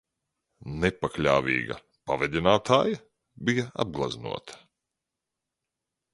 Nepakļāvīga pavedinātāja bija apgleznota.